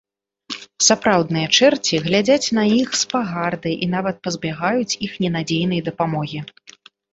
Сапраўдныя чэрці глядзяць на іх з пагардай і нават пазбягаюць іх ненадзейнай дапамогі.